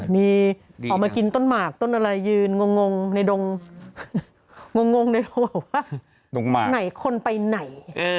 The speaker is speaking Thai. มีออกมากินต้นหมากต้นอะไรยืนงงงในโดงงงงในโดงว่าคนไปไหน